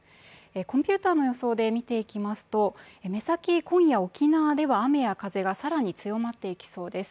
コンピュータの予想でみていきますと、目先、今夜、沖縄では雨や風が更に強まっていきそうです。